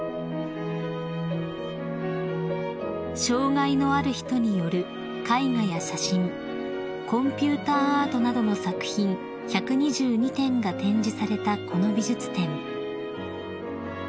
［障害のある人による絵画や写真コンピューターアートなどの作品１２２点が展示されたこの美術展］